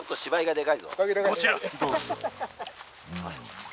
「こちらどうぞ」。